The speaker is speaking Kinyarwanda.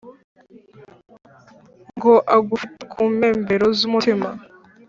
ngo agufite kumpembero zumutima